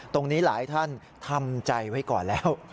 ตรงนี้หลายท่านทำใจไว้ก่อนแล้ว